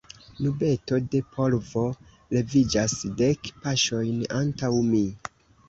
Nubeto de polvo leviĝas, dek paŝojn antaŭ mi.